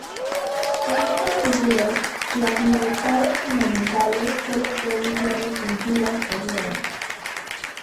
En ese sentido, las libertades fundamentales sólo pueden ser restringidas por ley.